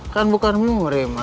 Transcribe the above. kan bukan murim